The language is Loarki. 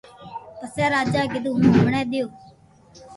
پسي راجا اي ڪيدو ڪو ھون ھمڙي ديو